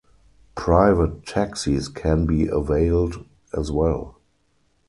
Private taxis can be availed as well.